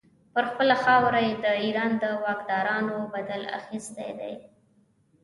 پر خپله خاوره یې د ایران د واکدارانو بدل اخیستی دی.